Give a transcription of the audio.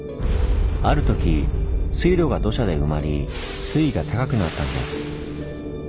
あるとき水路が土砂で埋まり水位が高くなったんです。